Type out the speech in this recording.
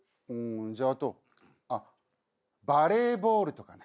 じゃああとあっバレーボールとかね。